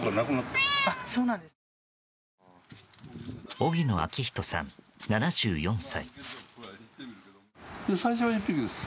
荻野明人さん、７４歳。